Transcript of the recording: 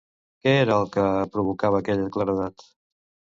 Què era el que provocava aquella claredat?